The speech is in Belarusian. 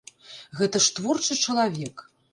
Гэта ж творчы чалавек!